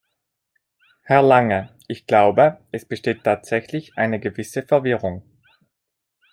Herr Lange, ich glaube, es besteht tatsächlich eine gewisse Verwirrung.